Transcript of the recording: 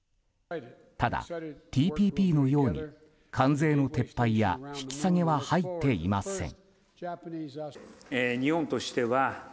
ただ、ＴＰＰのように関税の撤廃や引き下げは入っていません。